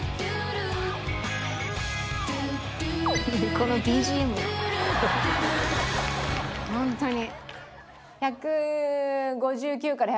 このＢＧＭホントに。